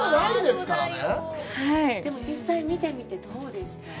でも実際見てみてどうでした？